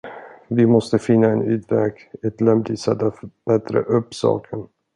Vi måste finna en utväg, ett lämpligt sätt att bättra upp saken.